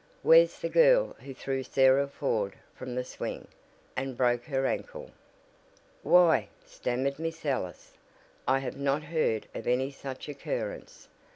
"Where's the girl who threw Sarah Ford from the swing, and broke her ankle?" "Why," stammered Miss Ellis, "I have not heard of any such occurrence.